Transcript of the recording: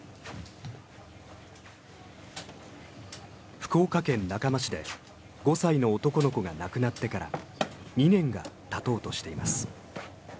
福岡県中間市で５歳の男の子が亡くなってから２年が経とうとしています。